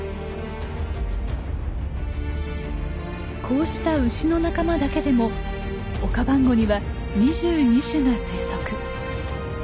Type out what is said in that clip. こうしたウシの仲間だけでもオカバンゴには２２種が生息。